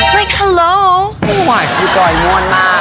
มีความรักของเรา